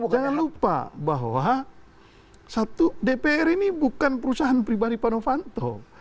jangan lupa bahwa satu dpr ini bukan perusahaan pribadi pak novanto